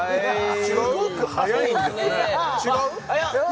すごく早いんですね違う？